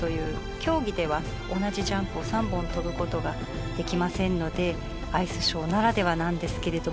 競技では同じジャンプを３本跳ぶ事ができませんのでアイスショーならではなんですけれども。